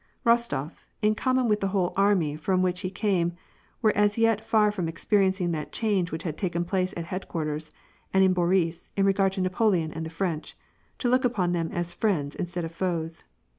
Eostof, in common with the whole army from which he came, were as yet far from experiencing that change which had taken place at headquarters, and in Boris, in regard to Napoleon and the French, — to look upon them as friends in stead of foes.